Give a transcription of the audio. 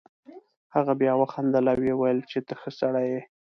هغه بیا وخندل او ویې ویل چې ته ښه سړی یې.